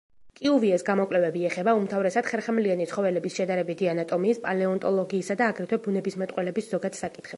კიუვიეს გამოკვლევები ეხება უმთავრესად ხერხემლიანი ცხოველების შედარებითი ანატომიის, პალეონტოლოგიისა და აგრეთვე ბუნებისმეტყველების ზოგად საკითხებს.